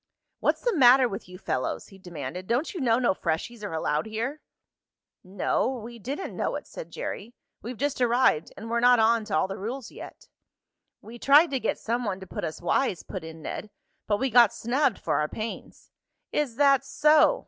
"What's the matter with you fellows?" he demanded. "Don't you know no freshies are allowed here?" "No, we didn't know it," said Jerry. "We've just arrived, and we're not on to all the rules yet." "We tried to get some one to put us wise," put in Ned, "but we got snubbed for our pains." "Is that so?"